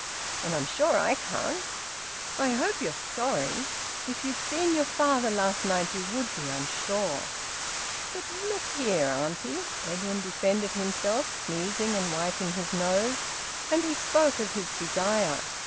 And I'm sure I can't. I hope you're sorry. If you'd seen your father last night you would be, I'm sure." "But look here, auntie," Edwin defended himself, sneezing and wiping his nose; and he spoke of his desire.